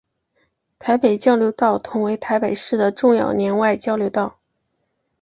台北交流道同为台北市的重要联外交流道。